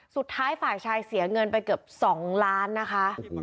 สุดท้ายฝ่ายชายเสียเงินไปเกือบ๒ล้านนะคะ